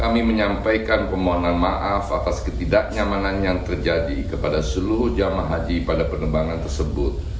pilot beri kemampuan maaf atas ketidaknyamanan yang terjadi kepada seluruh jemaah haji pada penerbangan tersebut